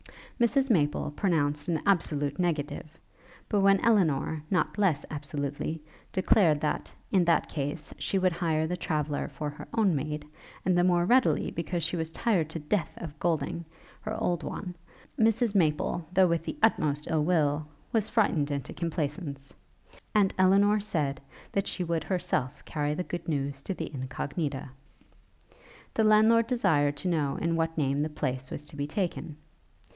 Mrs Maple pronounced an absolute negative; but when Elinor, not less absolutely, declared that, in that case, she would hire the traveller for her own maid; and the more readily because she was tired to death of Golding, her old one, Mrs Maple, though with the utmost ill will, was frightened into compliance; and Elinor said that she would herself carry the good news to the Incognita. The landlord desired to know in what name the place was to be taken.